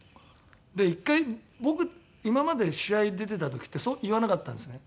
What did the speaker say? で１回僕今まで試合出てた時って言わなかったんですね。